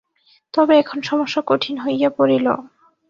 তবে এখন সমস্যা কঠিন হইয়া পড়িল।